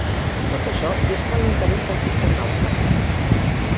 Tot això lliscant lentament pel costat nostre